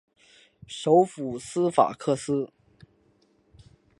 首府斯法克斯。